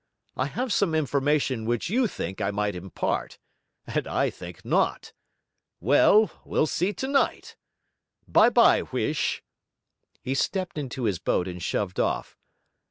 I have some information which you think I might impart, and I think not. Well, we'll see tonight! By by, Whish!' He stepped into his boat and shoved off.